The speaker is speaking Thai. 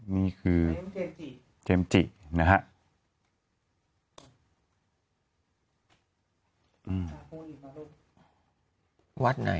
นี้คือเจมส์จินะฮะมีคุณเคอร์มอนดีนะฮะ